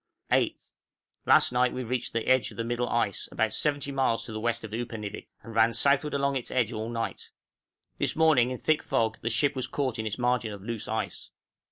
8th. Last night we reached the edge of the middle ice, about 70 miles to the west of Upernivik, and ran southward along its edge all night. This morning, in thick fog, the ship was caught in its margin of loose ice.